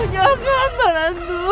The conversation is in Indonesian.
jangan pak landung